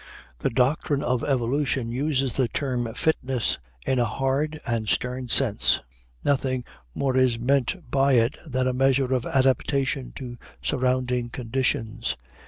The doctrine of evolution uses the term fitness in a hard and stern sense. Nothing more is meant by it than a measure of adaptation to surrounding conditions.